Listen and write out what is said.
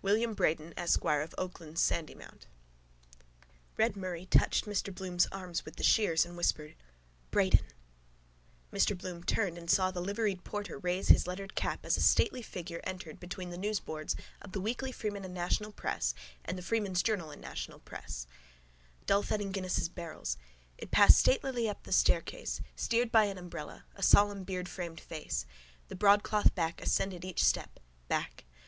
WILLIAM BRAYDEN, ESQUIRE, OF OAKLANDS, SANDYMOUNT Red Murray touched Mr Bloom's arm with the shears and whispered: —Brayden. Mr Bloom turned and saw the liveried porter raise his lettered cap as a stately figure entered between the newsboards of the Weekly Freeman and National Press and the Freeman's Journal and National Press. Dullthudding Guinness's barrels. It passed statelily up the staircase, steered by an umbrella, a solemn beardframed face. The broadcloth back ascended each step: back.